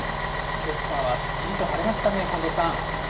けさはすっきりと晴れましたね、近藤さん。